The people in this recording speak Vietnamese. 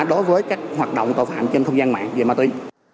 đối với các hoạt động tội phạm trên không gian mạng về ma túy